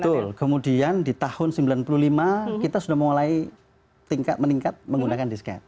betul kemudian di tahun seribu sembilan ratus sembilan puluh lima kita sudah mulai tingkat meningkat menggunakan disket